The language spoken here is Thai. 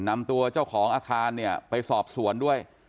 นำตัวเจ้าของอาคารเนี่ยไปสอบสวนด้วย